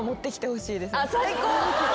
最高。